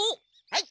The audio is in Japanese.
はい。